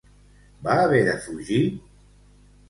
Va haver de fugir?